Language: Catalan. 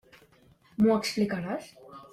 M'ho explicaràs?